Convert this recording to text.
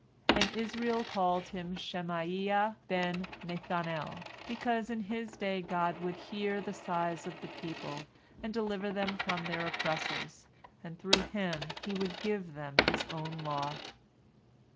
And Israel called him Shemaiah ben Nethanel, because in his day God would "hear" the sighs of the people, and deliver them from their oppressors, and through him would He "give" them His own law.